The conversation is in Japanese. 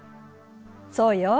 そうよ。